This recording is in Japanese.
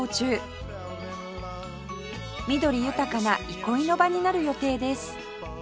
緑豊かな憩いの場になる予定です